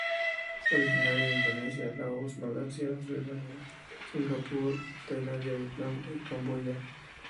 Originaria de Indonesia, Laos, Malasia, Birmania, Singapur, Tailandia, Vietnam, y Camboya.